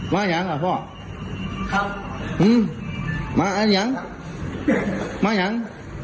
มาอย่างละพ่อมาอย่าง